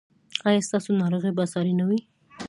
ایا ستاسو ناروغي به ساري نه وي؟